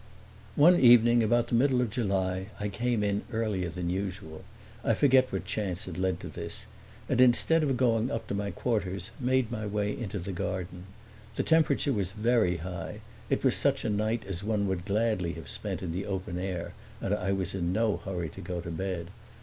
One evening about the middle of July I came in earlier than usual I forget what chance had led to this and instead of going up to my quarters made my way into the garden. The temperature was very high; it was such a night as one would gladly have spent in the open air, and I was in no hurry to go to bed.